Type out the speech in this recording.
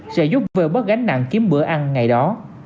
sẽ giúp vơi bớt gánh nặng kiếm bữa ăn ngày đó